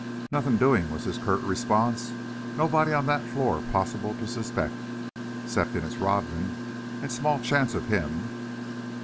"Nothin' doin'," was his curt response. "Nobody on that floor possible to suspect, 'ceptin' it's Rodman, and small chance of him."